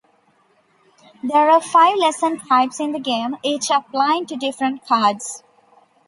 There are five Lesson types in the game, each applying to different cards.